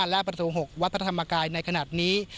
และประตู๖วัดพระธรรมกายในขณะนี้